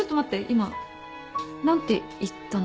今何て言ったの？